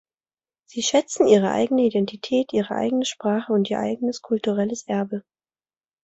Sie schätzen ihre eigene Identität, ihre eigene Sprache und ihr eigenes kulturelles Erbe.